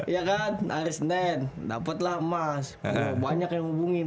iya kan harus nen dapet lah emas banyak yang hubungi